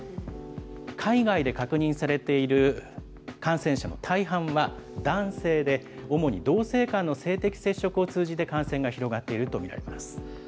海外で確認されている感染者の大半は男性で、主に同性間の性的接触を通じて感染が広がっていると見られます。